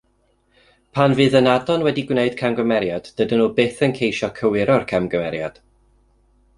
Pan fydd ynadon wedi gwneud camgymeriad, dydyn nhw byth yn ceisio cywiro'r camgymeriad.